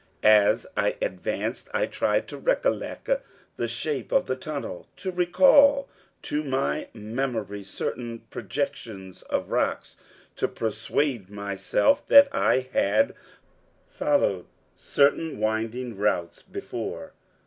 As I advanced, I tried to recollect the shape of the tunnel to recall to my memory certain projections of rocks to persuade myself that I had followed certain winding routes before.